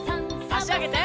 あしあげて。